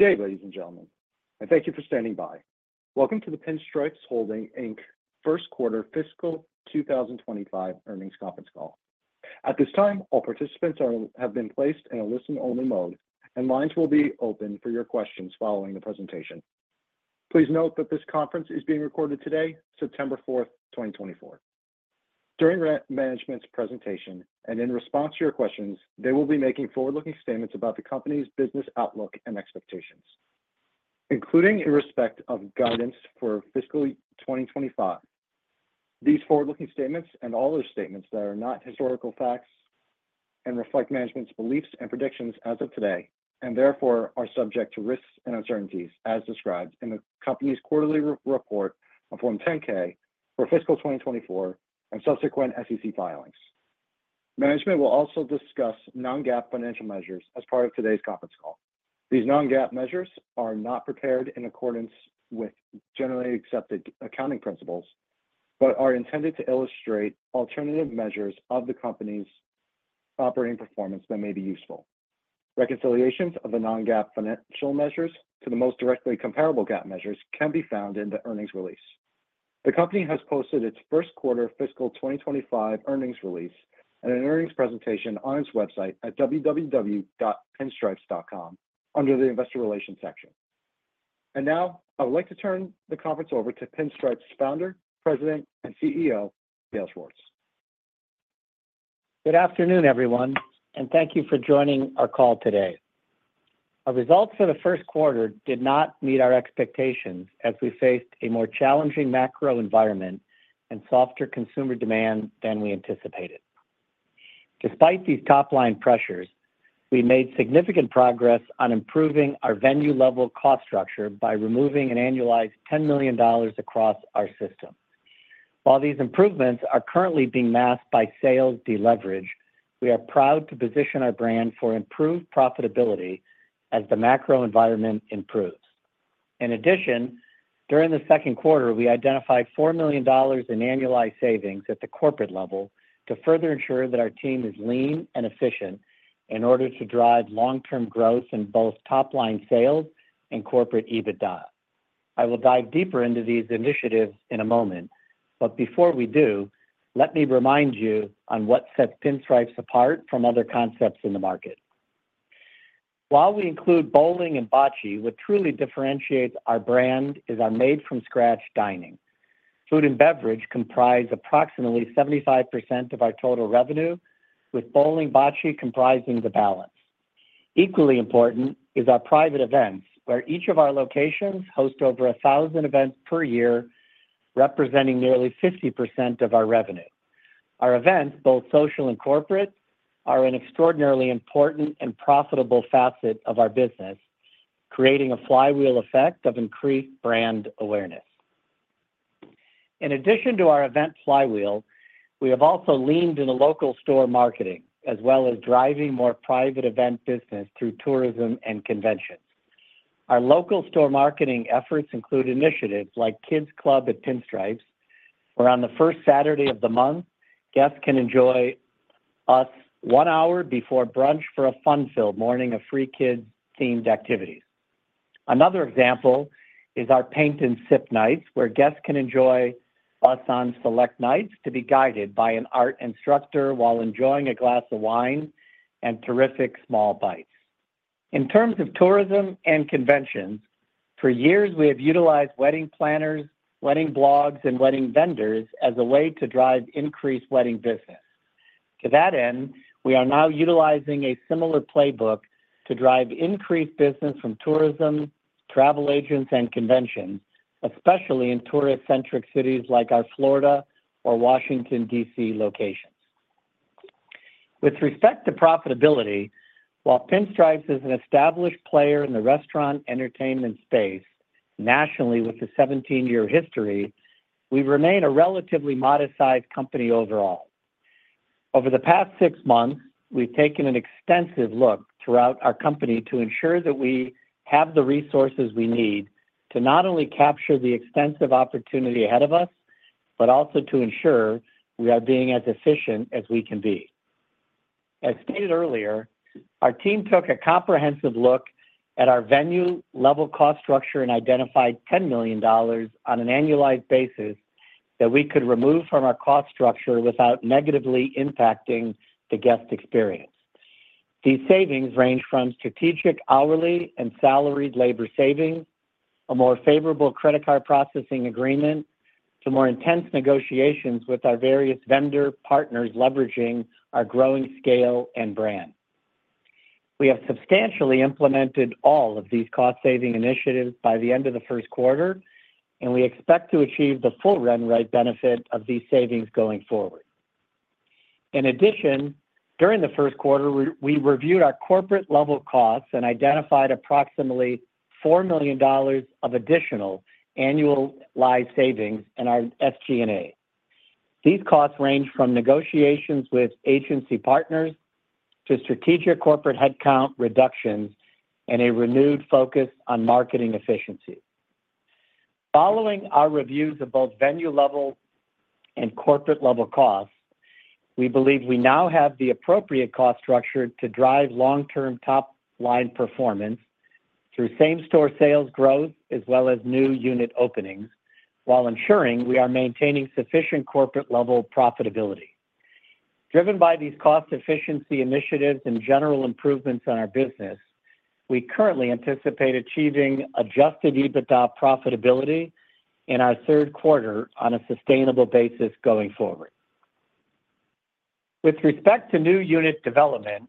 Good day, ladies and gentlemen, and thank you for standing by. Welcome to the Pinstripes Holdings, Inc. First Quarter fiscal 2025 Earnings Conference Call. At this time, all participants have been placed in a listen-only mode, and lines will be open for your questions following the presentation. Please note that this conference is being recorded today, September 4th, 2024. During management's presentation, and in response to your questions, they will be making forward-looking statements about the company's business outlook and expectations, including in respect of guidance for fiscal 2025. These forward-looking statements, and all other statements that are not historical facts, and reflect management's beliefs and predictions as of today, and therefore are subject to risks and uncertainties as described in the company's quarterly report on Form 10-K for fiscal 2024 and subsequent SEC filings. Management will also discuss non-GAAP financial measures as part of today's conference call. These non-GAAP measures are not prepared in accordance with generally accepted accounting principles, but are intended to illustrate alternative measures of the company's operating performance that may be useful. Reconciliations of the non-GAAP financial measures to the most directly comparable GAAP measures can be found in the earnings release. The company has posted its first quarter fiscal 2025 earnings release and an earnings presentation on its website at www.pinstripes.com under the Investor Relations section. Now, I would like to turn the conference over to Pinstripes' Founder, President, and CEO, Dale Schwartz. Good afternoon, everyone, and thank you for joining our call today. Our results for the first quarter did not meet our expectations as we faced a more challenging macro environment and softer consumer demand than we anticipated. Despite these top-line pressures, we made significant progress on improving our venue-level cost structure by removing an annualized $10 million across our system. While these improvements are currently being masked by sales deleverage, we are proud to position our brand for improved profitability as the macro environment improves. In addition, during the second quarter, we identified $4 million in annualized savings at the corporate level to further ensure that our team is lean and efficient in order to drive long-term growth in both top-line sales and corporate EBITDA. I will dive deeper into these initiatives in a moment, but before we do, let me remind you on what sets Pinstripes apart from other concepts in the market. While we include bowling and bocce, what truly differentiates our brand is our made-from-scratch dining. Food and beverage comprise approximately 75% of our total revenue, with bowling, bocce comprising the balance. Equally important is our private events, where each of our locations host over 1,000 events per year, representing nearly 50% of our revenue. Our events, both social and corporate, are an extraordinarily important and profitable facet of our business, creating a flywheel effect of increased brand awareness. In addition to our event flywheel, we have also leaned into local store marketing, as well as driving more private event business through tourism and conventions. Our local store marketing efforts include initiatives like Kids Club at Pinstripes, where on the first Saturday of the month, guests can enjoy us one hour before brunch for a fun-filled morning of free kid-themed activities. Another example is our Paint and Sip nights, where guests can enjoy us on select nights to be guided by an art instructor while enjoying a glass of wine and terrific small bites. In terms of tourism and conventions, for years, we have utilized wedding planners, wedding blogs, and wedding vendors as a way to drive increased wedding business. To that end, we are now utilizing a similar playbook to drive increased business from tourism, travel agents, and conventions, especially in tourist-centric cities like our Florida or Washington, DC, locations. With respect to profitability, while Pinstripes is an established player in the restaurant entertainment space nationally with a 17-year history, we remain a relatively modest-sized company overall. Over the past six months, we've taken an extensive look throughout our company to ensure that we have the resources we need to not only capture the extensive opportunity ahead of us, but also to ensure we are being as efficient as we can be. As stated earlier, our team took a comprehensive look at our venue-level cost structure and identified $10 million on an annualized basis that we could remove from our cost structure without negatively impacting the guest experience. These savings range from strategic hourly and salaried labor savings, a more favorable credit card processing agreement, to more intense negotiations with our various vendor partners, leveraging our growing scale and brand. We have substantially implemented all of these cost-saving initiatives by the end of the first quarter, and we expect to achieve the full run rate benefit of these savings going forward. In addition, during the first quarter, we reviewed our corporate-level costs and identified approximately $4 million of additional annualized savings in our SG&A. These costs range from negotiations with agency partners to strategic corporate headcount reductions and a renewed focus on marketing efficiency. Following our reviews of both venue-level and corporate-level costs, we believe we now have the appropriate cost structure to drive long-term top-line performance through same-store sales growth, as well as new unit openings, while ensuring we are maintaining sufficient corporate-level profitability. Driven by these cost efficiency initiatives and general improvements in our business, we currently anticipate achieving adjusted EBITDA profitability in our third quarter on a sustainable basis going forward. With respect to new unit development,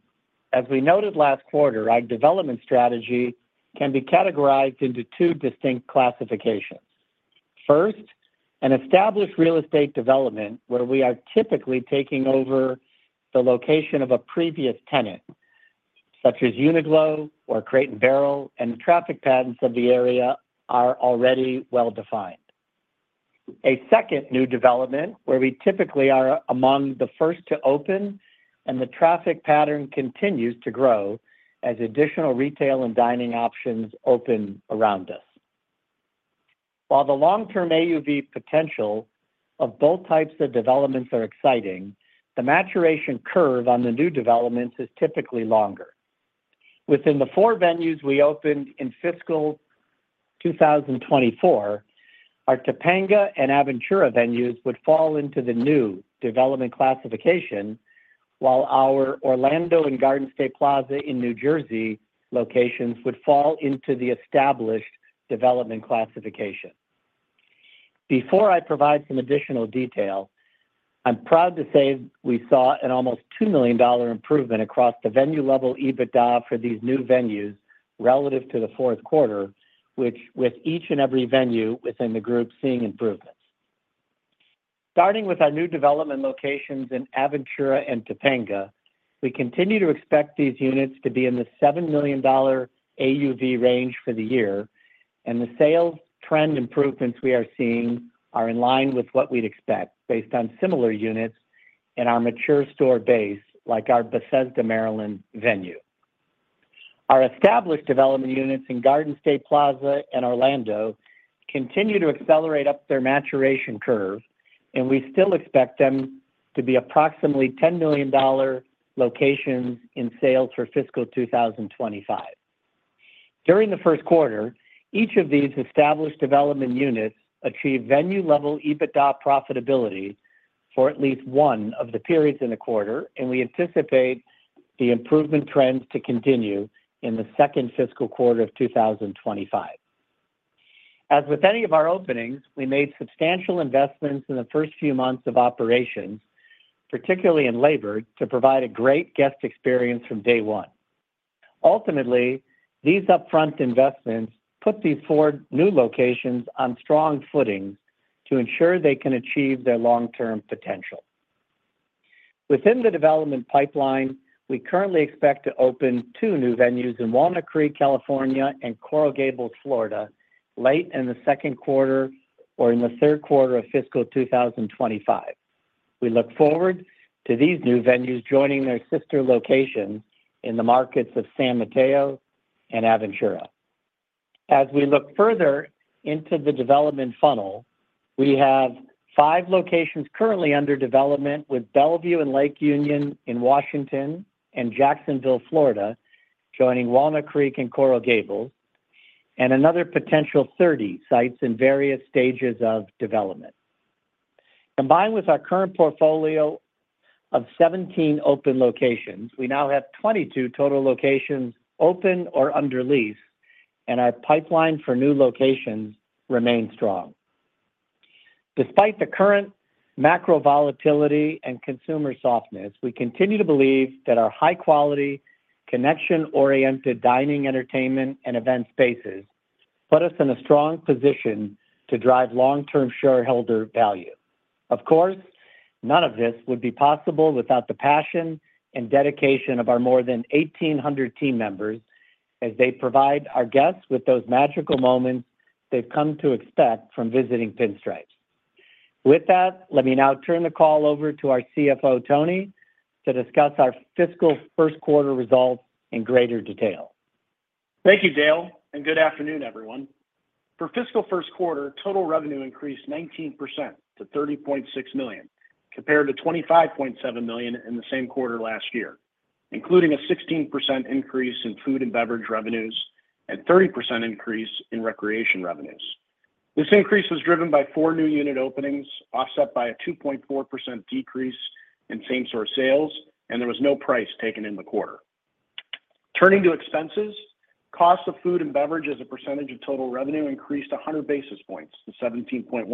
as we noted last quarter, our development strategy can be categorized into two distinct classifications. First, an established real estate development, where we are typically taking over the location of a previous tenant, such as Uniqlo or Crate & Barrel, and the traffic patterns of the area are already well-defined. A second new development, where we typically are among the first to open, and the traffic pattern continues to grow as additional retail and dining options open around us. While the long-term AUV potential of both types of developments are exciting, the maturation curve on the new developments is typically longer. Within the four venues we opened in Fiscal 2024, our Topanga and Aventura venues would fall into the new development classification, while our Orlando and Garden State Plaza in New Jersey locations would fall into the established development classification. Before I provide some additional detail, I'm proud to say we saw an almost $2 million improvement across the venue-level EBITDA for these new venues relative to the fourth quarter, which, with each and every venue within the group seeing improvements. Starting with our new development locations in Aventura and Topanga, we continue to expect these units to be in the $7 million AUV range for the year, and the sales trend improvements we are seeing are in line with what we'd expect based on similar units in our mature store base, like our Bethesda, Maryland, venue. Our established development units in Garden State Plaza and Orlando continue to accelerate up their maturation curve, and we still expect them to be approximately $10 million locations in sales for Fiscal 2025. During the first quarter, each of these established development units achieved venue-level EBITDA profitability for at least one of the periods in the quarter, and we anticipate the improvement trends to continue in the second fiscal quarter of 2025. As with any of our openings, we made substantial investments in the first few months of operations, particularly in labor, to provide a great guest experience from day one. Ultimately, these upfront investments put these four new locations on strong footing to ensure they can achieve their long-term potential. Within the development pipeline, we currently expect to open two new venues in Walnut Creek, California, and Coral Gables, Florida, late in the second quarter or in the third quarter of fiscal 2025. We look forward to these new venues joining their sister location in the markets of San Mateo and Aventura. As we look further into the development funnel, we have five locations currently under development, with Bellevue and Lake Union in Washington and Jacksonville, Florida, joining Walnut Creek and Coral Gables, and another potential 30 sites in various stages of development. Combined with our current portfolio of 17 open locations, we now have 22 total locations open or under lease, and our pipeline for new locations remains strong. Despite the current macro volatility and consumer softness, we continue to believe that our high quality, connection-oriented dining, entertainment, and event spaces put us in a strong position to drive long-term shareholder value. Of course, none of this would be possible without the passion and dedication of our more than 1,800 team members as they provide our guests with those magical moments they've come to expect from visiting Pinstripes. With that, let me now turn the call over to our CFO, Tony, to discuss our fiscal first quarter results in greater detail. Thank you, Dale, and good afternoon, everyone. For fiscal first quarter, total revenue increased 19% to $30.6 million, compared to $25.7 million in the same quarter last year, including a 16% increase in food and beverage revenues and 30% increase in recreation revenues. This increase was driven by four new unit openings, offset by a 2.4% decrease in same-store sales, and there was no price taken in the quarter. Turning to expenses, cost of food and beverage as a percentage of total revenue increased 100 basis points to 17.1%.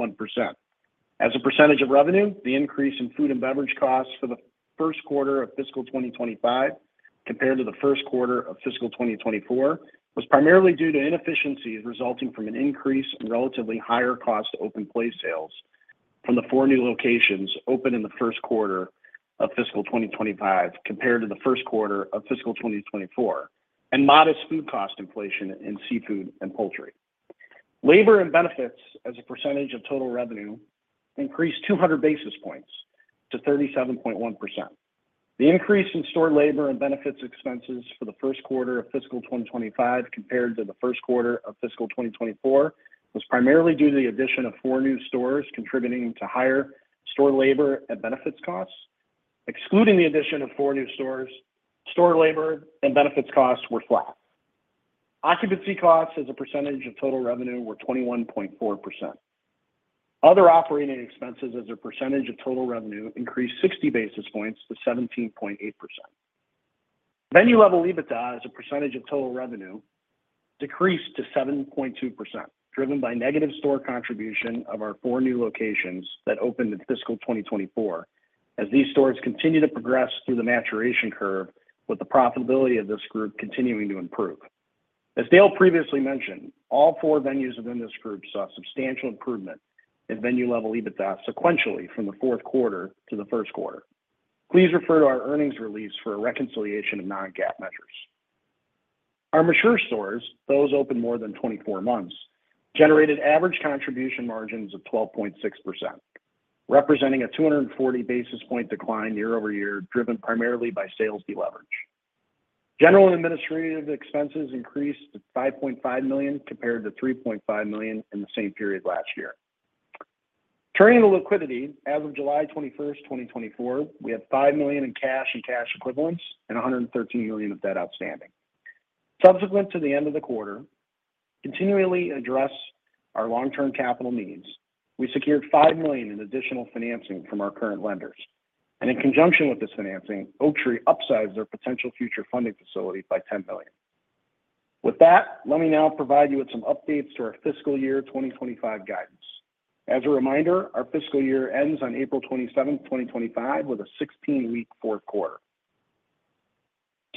As a percentage of revenue, the increase in food and beverage costs for the first quarter of Fiscal 2025 compared to the first quarter of Fiscal 2024 was primarily due to inefficiencies resulting from an increase in relatively higher cost open play sales from the four new locations opened in the first quarter of Fiscal 2025, compared to the first quarter of Fiscal 2024, and modest food cost inflation in seafood and poultry. Labor and benefits, as a percentage of total revenue, increased 200 basis points to 37.1%. The increase in store labor and benefits expenses for the first quarter of Fiscal 2025 compared to the first quarter of Fiscal 2024 was primarily due to the addition of four new stores contributing to higher store labor and benefits costs. Excluding the addition of four new stores, store labor and benefits costs were flat. Occupancy costs as a percentage of total revenue were 21.4%. Other operating expenses as a percentage of total revenue increased 60 basis points to 17.8%. Venue-level EBITDA as a percentage of total revenue decreased to 7.2%, driven by negative store contribution of our four new locations that opened in Fiscal 2024. As these stores continue to progress through the maturation curve, with the profitability of this group continuing to improve. As Dale previously mentioned, all four venues within this group saw substantial improvement in venue-level EBITDA sequentially from the fourth quarter to the first quarter. Please refer to our earnings release for a reconciliation of non-GAAP measures. Our mature stores, those open more than 24 months, generated average contribution margins of 12.6%, representing a 240 basis point decline year-over-year, driven primarily by sales deleverage. General and administrative expenses increased to $5.5 million, compared to $3.5 million in the same period last year. Turning to liquidity, as of July 21st, 2024, we had $5 million in cash and cash equivalents and $113 million of debt outstanding. Subsequent to the end of the quarter, continually address our long-term capital needs, we secured $5 million in additional financing from our current lenders. And in conjunction with this financing, Oaktree upsized their potential future funding facility by $10 million. With that, let me now provide you with some updates to our fiscal year 2025 guidance. As a reminder, our fiscal year ends on April 27th, 2025, with a 16-week fourth quarter.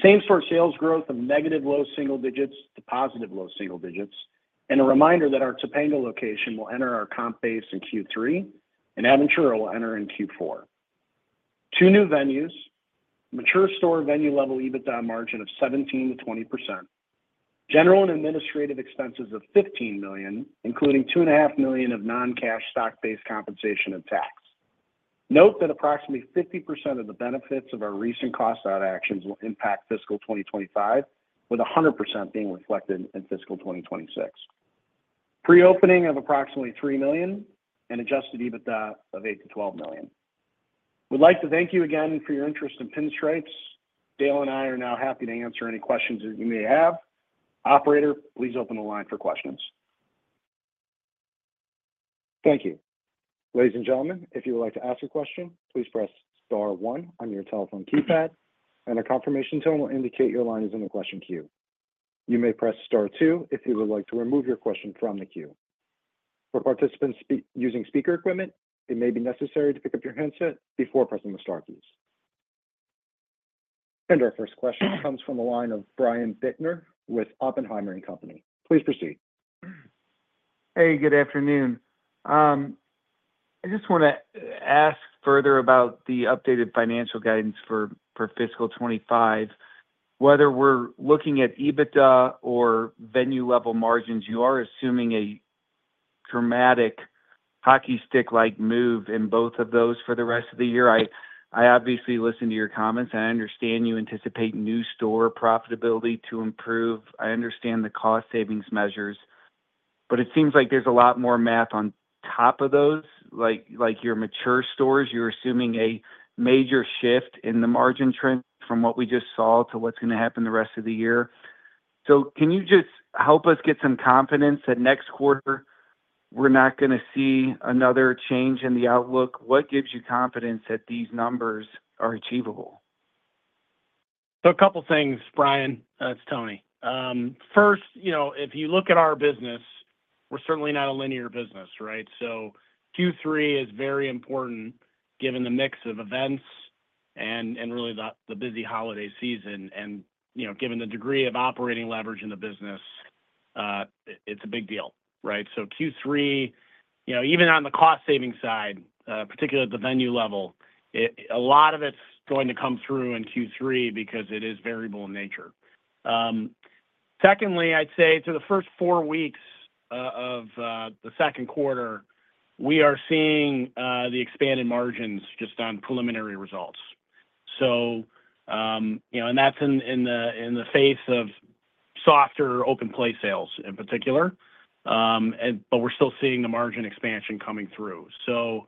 Same-store sales growth of negative low single digits to positive low single digits, and a reminder that our Topanga location will enter our comp base in Q3, and Aventura will enter in Q4. Two new venues, mature store venue-level EBITDA margin of 17%-20%, general and administrative expenses of $15 million, including $2.5 million of non-cash stock-based compensation and tax. Note that approximately 50% of the benefits of our recent cost-out actions will impact fiscal 2025, with 100% being reflected in fiscal 2026. Pre-opening of approximately $3 million and adjusted EBITDA of $8 million-$12 million. We'd like to thank you again for your interest in Pinstripes. Dale and I are now happy to answer any questions that you may have. Operator, please open the line for questions. Thank you. Ladies and gentlemen, if you would like to ask a question, please press star one on your telephone keypad, and a confirmation tone will indicate your line is in the question queue. You may press star two if you would like to remove your question from the queue. For participants using speaker equipment, it may be necessary to pick up your handset before pressing the star keys. And our first question comes from the line of Brian Bittner with Oppenheimer and Company. Please proceed. Hey, good afternoon. I just wanna ask further about the updated financial guidance for Fiscal 2025. Whether we're looking at EBITDA or venue-level margins, you are assuming a dramatic hockey stick-like move in both of those for the rest of the year. I obviously listened to your comments, and I understand you anticipate new store profitability to improve. I understand the cost savings measures, but it seems like there's a lot more math on top of those, like your mature stores. You're assuming a major shift in the margin trend from what we just saw to what's gonna happen the rest of the year. So can you just help us get some confidence that next quarter, we're not gonna see another change in the outlook? What gives you confidence that these numbers are achievable? So a couple things, Brian. It's Tony. First, you know, if you look at our business, we're certainly not a linear business, right? Q3 is very important given the mix of events and really the busy holiday season, and you know, given the degree of operating leverage in the business, it's a big deal, right, so Q3, you know, even on the cost-saving side, particularly at the venue level, a lot of it's going to come through in Q3 because it is variable in nature. Secondly, I'd say through the first four weeks of the second quarter, we are seeing the expanded margins just on preliminary results, so you know, and that's in the face of softer open play sales, in particular, but we're still seeing the margin expansion coming through. So,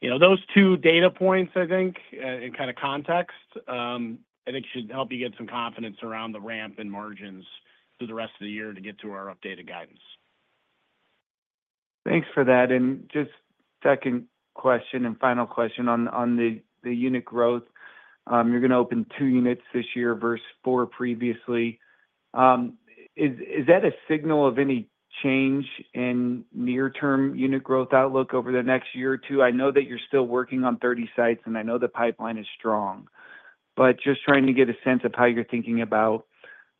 you know, those two data points, I think, in kind of context, I think should help you get some confidence around the ramp in margins through the rest of the year to get to our updated guidance. Thanks for that. And just second question and final question on the unit growth. You're gonna open two units this year versus four previously. Is that a signal of any change in near-term unit growth outlook over the next year or two? I know that you're still working on thirty sites, and I know the pipeline is strong, but just trying to get a sense of how you're thinking about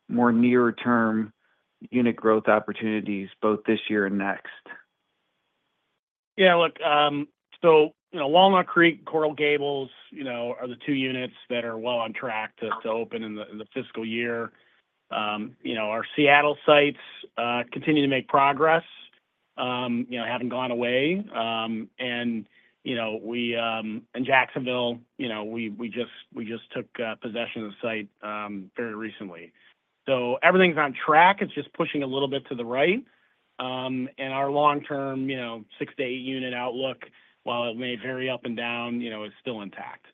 more near-term unit growth opportunities, both this year and next. Yeah, look, so, you know, Walnut Creek, Coral Gables, you know, are the two units that are well on track to open in the fiscal year. You know, our Seattle sites continue to make progress. You know, haven't gone away. And, you know, we, in Jacksonville, you know, we just took possession of the site very recently. So everything's on track. It's just pushing a little bit to the right. And our long-term, you know, six to eight unit outlook, while it may vary up and down, you know, is still intact.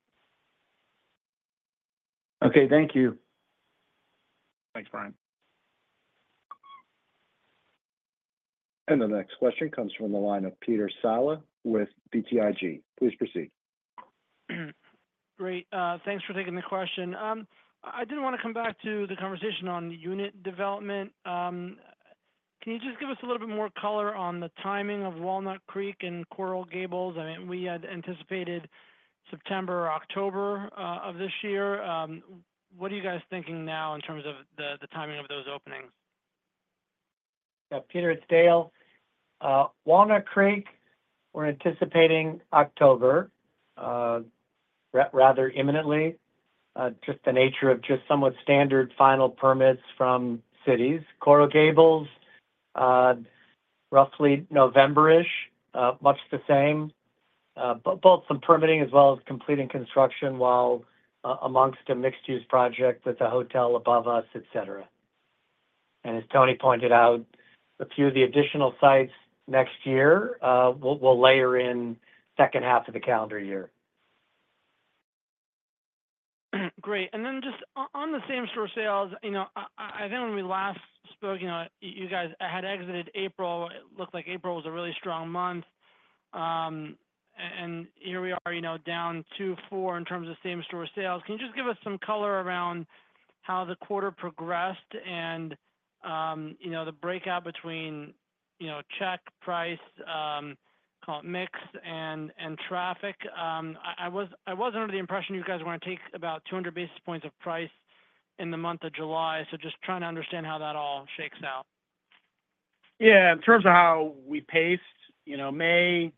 Okay, thank you. Thanks, Brian. The next question comes from the line of Peter Saleh with BTIG. Please proceed. Great. Thanks for taking the question. I did wanna come back to the conversation on unit development. Can you just give us a little bit more color on the timing of Walnut Creek and Coral Gables? I mean, we had anticipated September or October of this year. What are you guys thinking now in terms of the timing of those openings? Yeah, Peter, it's Dale. Walnut Creek, we're anticipating October, rather imminently. Just the nature of somewhat standard final permits from cities. Coral Gables, roughly November-ish, much the same. Both some permitting as well as completing construction, while amongst a mixed-use project with a hotel above us, et cetera. And as Tony pointed out, a few of the additional sites next year, we'll layer in second half of the calendar year. Great. And then just on the same-store sales, you know, I think when we last spoke, you know, you guys had exited April. It looked like April was a really strong month. And here we are, you know, down 2.4 in terms of same-store sales. Can you just give us some color around how the quarter progressed and, you know, the breakout between, you know, check, price, call it mix, and traffic? I was under the impression you guys were gonna take about 200 basis points of price in the month of July, so just trying to understand how that all shakes out. Yeah, in terms of how we paced, you know, May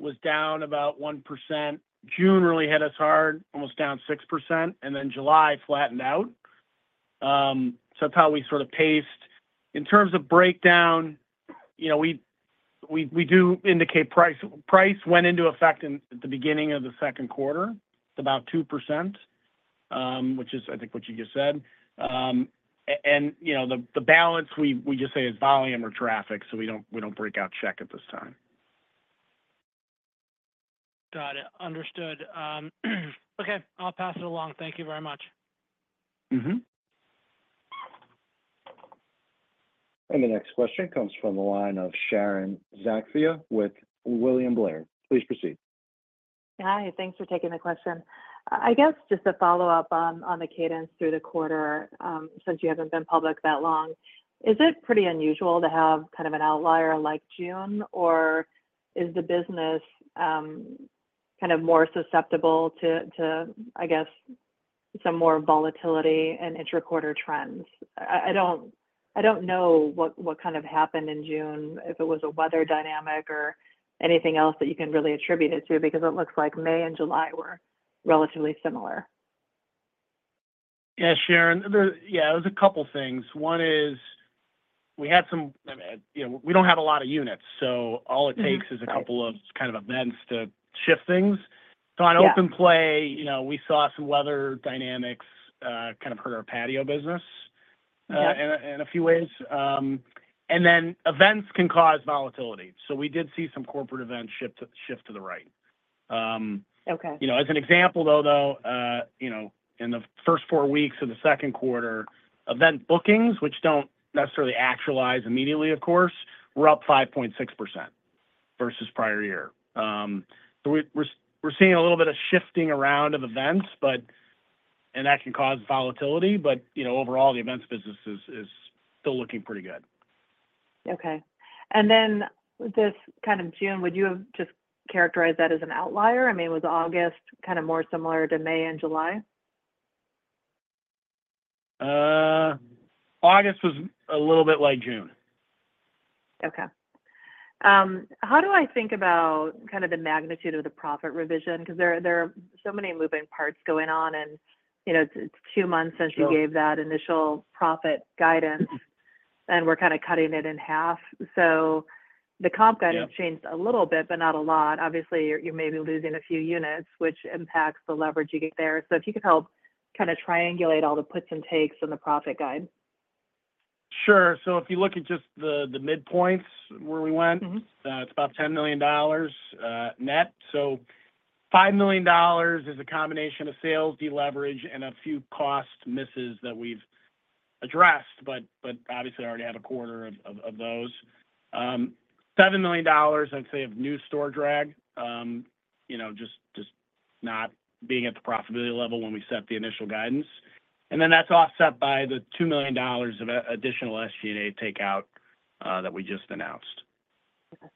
was down about 1%. June really hit us hard, almost down 6%, and then July flattened out. So that's how we sort of paced. In terms of breakdown, you know, we do indicate price. Price went into effect at the beginning of the second quarter. It's about 2%, which is, I think, what you just said. And, you know, the balance, we just say, is volume or traffic, so we don't break out check at this time. Got it. Understood. Okay, I'll pass it along. Thank you very much. The next question comes from the line of Sharon Zackfia with William Blair. Please proceed. Hi, thanks for taking the question. I guess just to follow up on the cadence through the quarter, since you haven't been public that long, is it pretty unusual to have kind of an outlier like June, or is the business kind of more susceptible to, I guess, some more volatility and intra-quarter trends? I don't know what kind of happened in June, if it was a weather dynamic or anything else that you can really attribute it to, because it looks like May and July were relatively similar. Yeah, Sharon. Yeah, it was a couple things. One is, we had some, I mean, you know, we don't have a lot of units, so all it takes is a couple of kind of events to shift things. Yeah. So on open play, you know, we saw some weather dynamics, kind of hurt our patio business in a few ways, and then events can cause volatility, so we did see some corporate events shift to the right. Okay. You know, as an example, though, you know, in the first four weeks of the second quarter, event bookings, which don't necessarily actualize immediately, of course, were up 5.6% versus prior year. So we're seeing a little bit of shifting around of events, but... And that can cause volatility, but, you know, overall, the events business is still looking pretty good. Okay. And then, just kind of June, would you have just characterized that as an outlier? I mean, was August kind of more similar to May and July? August was a little bit like June. Okay. How do I think about kind of the magnitude of the profit revision? 'Cause there are so many moving parts going on, and, you know, it's two months since you gave that initial profit guidance, and we're kind of cutting it in half, so the comp guidance changed a little bit, but not a lot. Obviously, you may be losing a few units, which impacts the leverage you get there. So if you could help kind of triangulate all the puts and takes on the profit guide. Sure. So if you look at just the midpoints where we went, it's about $10 million, net. So $5 million is a combination of sales deleverage and a few cost misses that we've addressed, but obviously, already had a quarter of those. $7 million, I'd say, of new store drag, you know, just not being at the profitability level when we set the initial guidance. And then that's offset by the $2 million of additional SG&A takeout that we just announced. Okay.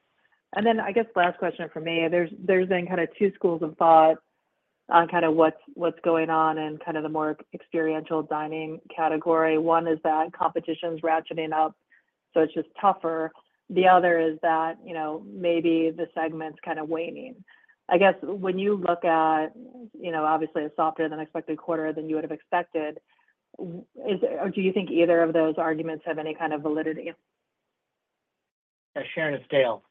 And then, I guess, last question for me. There's been kind of two schools of thought on kind of what's going on in kind of the more experiential dining category. One is that competition's ratcheting up, so it's just tougher. The other is that, you know, maybe the segment's kind of waning. I guess, when you look at, you know, obviously, a softer than expected quarter than you would've expected, is... Or do you think either of those arguments have any kind of validity? Yeah, Sharon, it's Dale.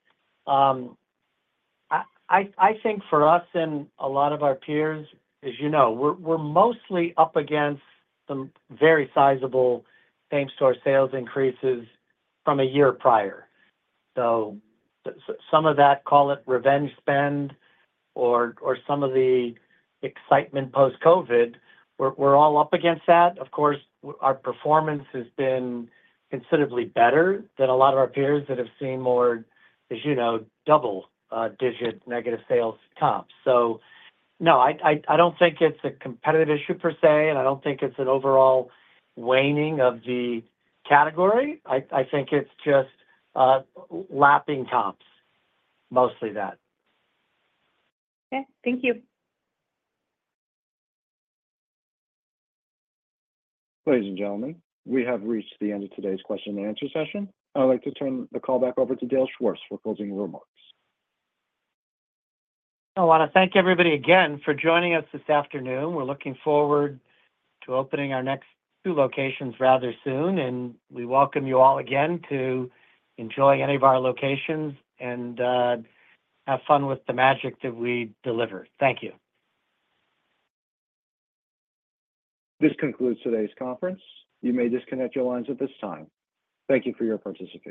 I think for us and a lot of our peers, as you know, we're mostly up against some very sizable same-store sales increases from a year prior. So some of that, call it revenge spend or some of the excitement post-COVID, we're all up against that. Of course, our performance has been considerably better than a lot of our peers that have seen more, as you know, double digit negative sales comps. So no, I don't think it's a competitive issue per se, and I don't think it's an overall waning of the category. I think it's just lapping comps, mostly that. Okay, thank you. Ladies and gentlemen, we have reached the end of today's question and answer session. I would like to turn the call back over to Dale Schwartz for closing remarks. I wanna thank everybody again for joining us this afternoon. We're looking forward to opening our next two locations rather soon, and we welcome you all again to enjoy any of our locations and have fun with the magic that we deliver. Thank you. This concludes today's conference. You may disconnect your lines at this time. Thank you for your participation.